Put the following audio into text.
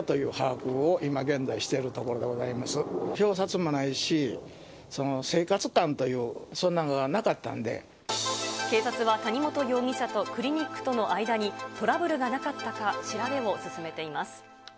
表札もないし、生活感という、警察は谷本容疑者とクリニックとの間にトラブルがなかったか調べを進めています。